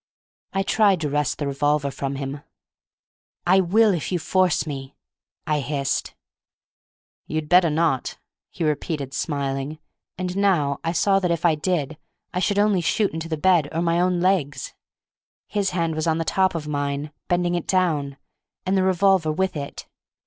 I tried to wrest the revolver from him. "I will if you force me," I hissed. "You'd better not," he repeated, smiling; and now I saw that if I did I should only shoot into the bed or my own legs. His hand was on the top of mine, bending it down, and the revolver with it.